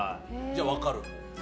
じゃあ分かる？